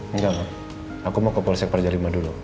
enggak aku mau ke polsek pada jam lima dulu